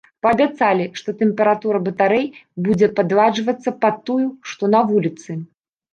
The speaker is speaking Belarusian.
Паабяцалі, што тэмпература батарэй будзе падладжвацца пад тую, што на вуліцы.